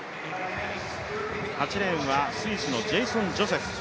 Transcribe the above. ８レーンはスイスのジェイソン・ジョセフ。